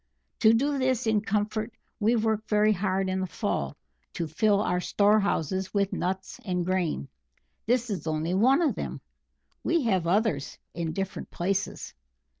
To do this in comfort we work very hard in the fall to fill our storehouses with nuts and grain. This is only one of them we have others in different places.